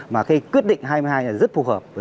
mà cái quyết định hai mươi hai này rất phù hợp